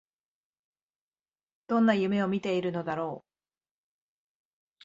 どんな夢を見ているのだろう